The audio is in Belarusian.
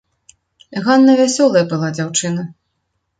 Ганна вясёлая была дзяўчына.